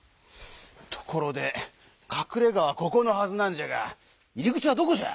ところでかくれがはここのはずなんじゃが入り口はどこじゃ？